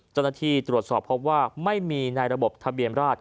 เจ้าหน้าที่ตรวจสอบพบว่าไม่มีในระบบทะเบียนราช